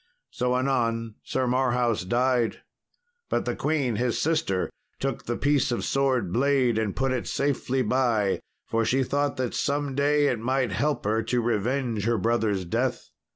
So anon Sir Marhaus died. But the queen, his sister, took the piece of sword blade and put it safely by, for she thought that some day it might help her to revenge her brother's death.